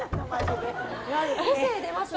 個性が出ますね。